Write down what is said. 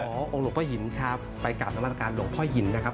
องค์หลวงพ่อหินครับไปกราบนวัตการหลวงพ่อหินนะครับ